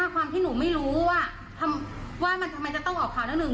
ความที่หนูไม่รู้ว่าว่ามันทำไมจะต้องออกข่าวหน้าหนึ่ง